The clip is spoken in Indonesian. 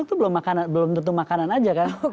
itu belum tentu makanan aja kan